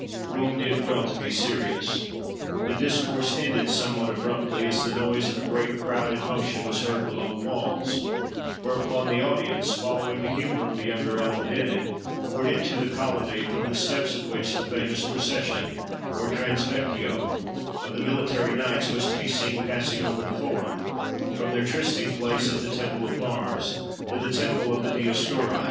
Rome did well to be serious. The discourse ended somewhat abruptly, as the noise of a great crowd in motion was heard below the walls; whereupon, the audience, following the humour of the younger element in it, poured into the colonnade, from the steps of which the famous procession, or transvectio, of the military knights was to be seen passing over the Forum, from their trysting place at the temple of Mars, to the temple of the Dioscuri.